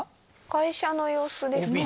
会社の様子ですね。